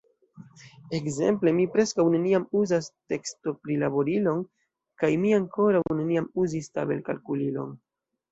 Ekzemple, mi preskaŭ neniam uzas tekstoprilaborilon, kaj mi ankoraŭ neniam uzis tabelkalkulilon.